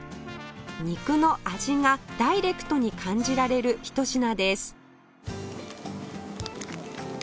肉の味がダイレクトに感じられるひと品です